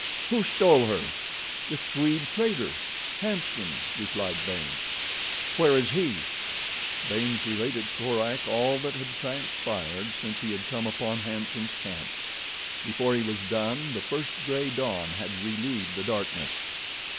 "Who stole her?" "The Swede trader, Hanson," replied Baynes. "Where is he?" Baynes related to Korak all that had transpired since he had come upon Hanson's camp. Before he was done the first gray dawn had relieved the darkness.